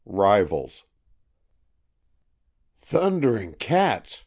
RIVALS "THUNDERING cats!"